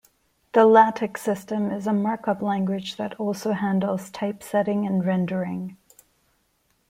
The LaTeX system is a markup language that also handles typesetting and rendering.